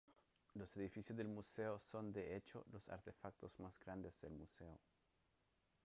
Los edificios del museo son de hecho los artefactos más grandes del museo.